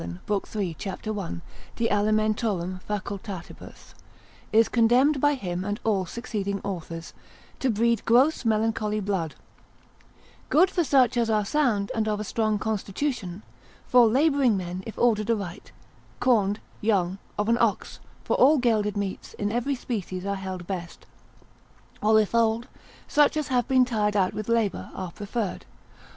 l. 3. c. 1. de alim. fac.) is condemned by him and all succeeding Authors, to breed gross melancholy blood: good for such as are sound, and of a strong constitution, for labouring men if ordered aright, corned, young, of an ox (for all gelded meats in every species are held best), or if old, such as have been tired out with labour, are preferred.